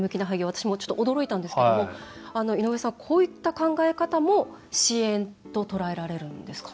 私もちょっと驚いたんですけども井上さん、こういった考え方も支援と捉えられるんですか？